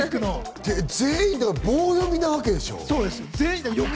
全員、棒読みなわけでしょう？